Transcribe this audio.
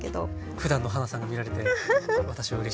ふだんのはなさんが見られて私はうれしいです。